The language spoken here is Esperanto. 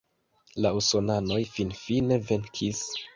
La usonanoj finfine venkis.